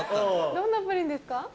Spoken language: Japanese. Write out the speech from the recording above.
どんなプリンですか？